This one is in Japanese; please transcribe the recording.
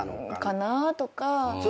かな？とか。